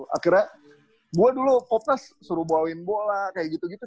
akhirnya gue dulu kopnas suruh bawain bola kayak gitu gitu